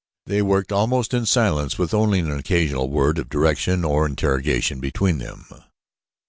They worked almost in silence with only an occasional word of direction or interrogation between them.